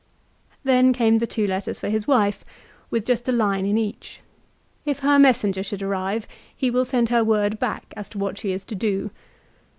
Then came the two letters for his wife, with just a line in each. If her messenger should arrive, he will send her word back as to what she is to do.